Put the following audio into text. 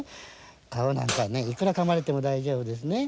顔なんかいくらかまれても大丈夫ですね。